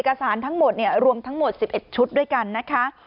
เอกสารทั้งหมดรวมทั้งหมดสิบเอ็ดชุดด้วยกันนะคะ